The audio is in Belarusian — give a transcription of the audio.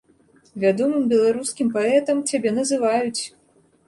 Вядомым беларускім паэтам цябе называюць!